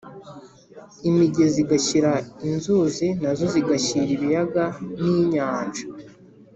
imigezi igashyira inzuzi, na zo zigashyira ibiyaga n’inyanja.